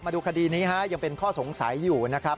มาดูคดีนี้ฮะยังเป็นข้อสงสัยอยู่นะครับ